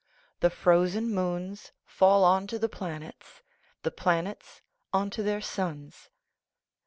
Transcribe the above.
The frozen moons fall onto the planets, the planets onto their suns.